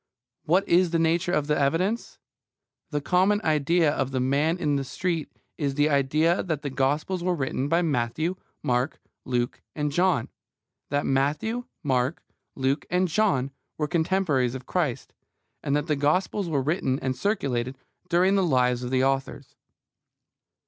What is the nature of the evidence? The common idea of the man in the street is the idea that the Gospels were written by Matthew, Mark, Luke, and John; that Matthew, Mark, Luke, and John were contemporaries of Christ; and that the Gospels were written and circulated during the lives of the authors.